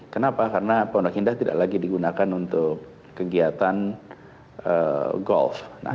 kenapa karena pondok indah tidak lagi digunakan untuk kegiatan golf